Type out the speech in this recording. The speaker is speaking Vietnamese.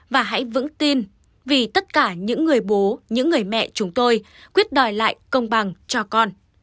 và hãy vững tin vì tất cả những người bố những người mẹ chúng tôi quyết đòi lại công bằng cho con